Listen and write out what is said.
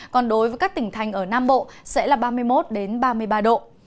còn đối với các tỉnh thành ở nam bộ sẽ là ba mươi một ba mươi ba độ